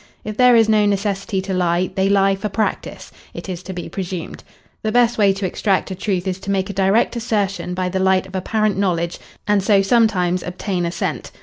If there is no necessity to lie, they lie for practice, it is to be presumed. The best way to extract a truth is to make a direct assertion by the light of apparent knowledge and so sometimes obtain assent.